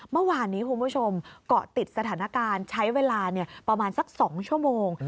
เมื่อวานนี้คุณผู้ชมเกาะติดสถานการณ์ใช้เวลาประมาณสัก๒ชั่วโมง